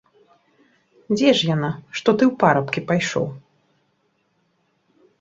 Дзе ж яна, што ты ў парабкі пайшоў?